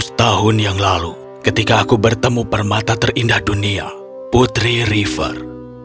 setahun yang lalu ketika aku bertemu permata terindah dunia putri river